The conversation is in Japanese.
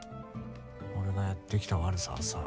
俺がやってきた悪さはさ。